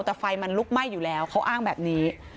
แต่ไฟมันลุกไหม้อยู่แล้วเขาอ้างแบบนี้